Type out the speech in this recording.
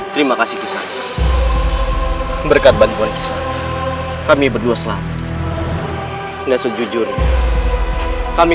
terima kasih kisah berkat bantuan kisah kami berdua selamat dan sejujur kami